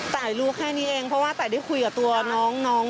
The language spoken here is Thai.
แต่ลูกแค่นี้เองเพราะว่าตายได้คุยกับตัวน้อง